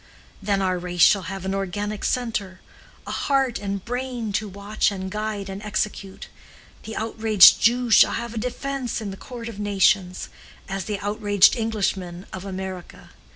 Then our race shall have an organic centre, a heart and brain to watch and guide and execute; the outraged Jew shall have a defense in the court of nations, as the outraged Englishmen of America.